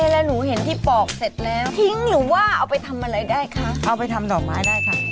แล้วหนูเห็นที่ปอกเสร็จแล้วทิ้งหรือว่าเอาไปทำอะไรได้คะเอาไปทำดอกไม้ได้ค่ะ